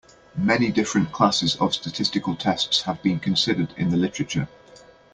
Many different classes of statistical tests have been considered in the literature.